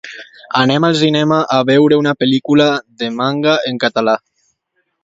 Anem al cinema a veure una pel·lícula de manga en català.